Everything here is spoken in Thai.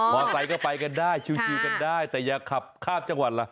ไซค์ก็ไปกันได้ชิวกันได้แต่อย่าขับข้ามจังหวัดล่ะ